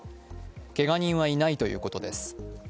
けが人はいないということです。